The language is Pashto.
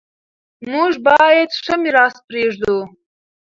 موږ باید ښه میراث پریږدو.